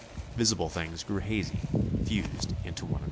Visible things grew hazy, fused into one another.